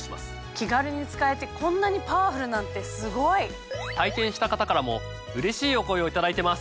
気軽に使えてこんなにパワフルなんてすごい！体験した方からもうれしいお声を頂いてます。